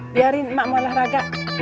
biarin mak malah ragak